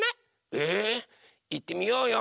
えいってみようよ。